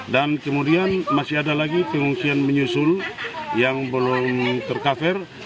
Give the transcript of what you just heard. dan kemudian masih ada lagi pengungsian menyusul yang belum terkafer